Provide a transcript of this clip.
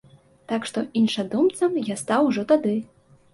Так што іншадумцам я стаў ужо тады.